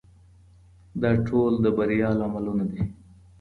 دا ټول د بریا لاملونه دي.